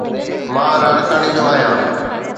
مان لاڙڪاڻي جو آھيان.